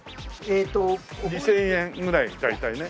２０００円ぐらいで大体ね。